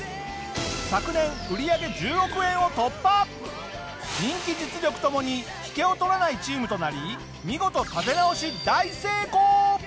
昨年人気実力ともに引けを取らないチームとなり見事立て直し大成功！